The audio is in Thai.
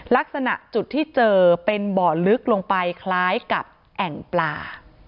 ลักษณะจุดที่เจอเป็นบ่อลึกลงไปคล้ายกับแอ่งปลา